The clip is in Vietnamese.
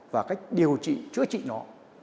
và cách điều trị chữa trị nó